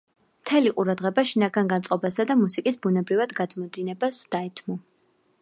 მთელი ყურადღება შინაგან განწყობასა და მუსიკის ბუნებრივად გადმოდინებას დაეთმო.